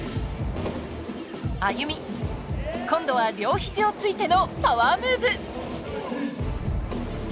ＡＹＵＭＩ今度は両肘をついてのパワームーブ。